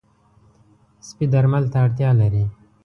سپي درمل ته اړتیا لري.